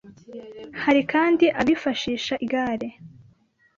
Hari kandi abifashisha igare